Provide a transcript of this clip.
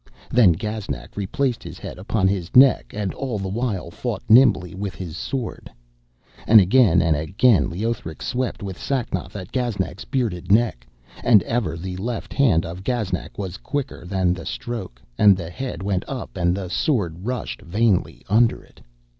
Then Gaznak replaced his head upon his neck, and all the while fought nimbly with his sword; and again and again Leothric swept with Sacnoth at Gaznak's bearded neck, and ever the left hand of Gaznak was quicker than the stroke, and the head went up and the sword rushed vainly under it.